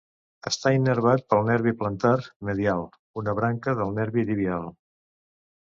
Està innervat pel nervi plantar medial, una branca del nervi tibial.